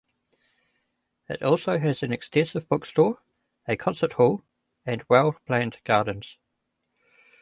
It also has an extensive bookstore, a concert hall, and well planned gardens.